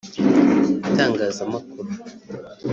itangazamakuru